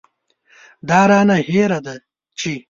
دا رانه هېره ده چې.